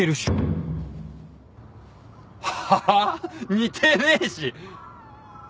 似てねえし。